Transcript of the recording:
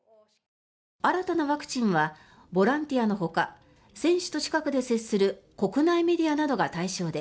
新たなワクチンはボランティアのほか選手と近くで接する国内メディアなどが対象で